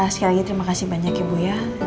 sekali lagi terima kasih banyak ibu ya